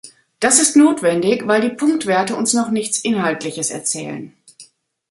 Das ist notwendig, weil die Punktwerte uns noch nichts Inhaltliches erzählen.